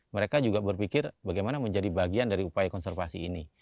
mereka juga berpikir bagaimana menjadi bagian dari upaya konservasi ini